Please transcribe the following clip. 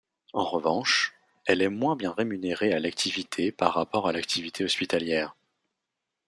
En revanche, elle est moins bien rémunérée à l’activité par rapport à l’activité hospitalière.